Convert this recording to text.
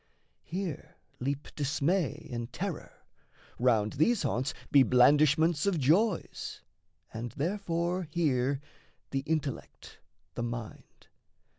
Here leap dismay and terror; round these haunts Be blandishments of joys; and therefore here The intellect, the mind.